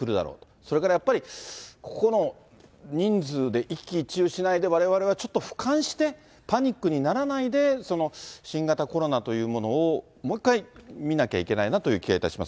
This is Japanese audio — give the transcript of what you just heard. それからやっぱり、ここの人数で一喜一憂しないでわれわれはちょっとふかんして、パニックにならないで、新型コロナというものをもう一回見なきゃいけないなという気がいたします。